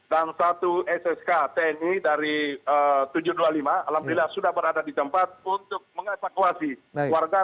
dan satu ssk tni dari tujuh ratus dua puluh lima alhamdulillah sudah berada di tempat untuk mengevakuasi warga